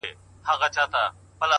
شپه او ورځ به په رنځور پوري حیران وه!.